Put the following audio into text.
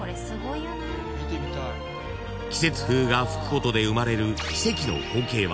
［季節風が吹くことで生まれる奇跡の光景は］